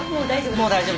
もう大丈夫。